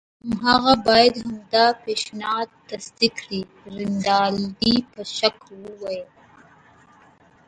هماغه باید همدا پیشنهاد تصدیق کړي. رینالډي په شک وویل.